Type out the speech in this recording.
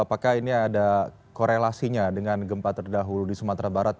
apakah ini ada korelasinya dengan gempa terdahulu di sumatera barat